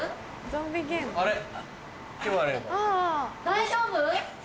大丈夫？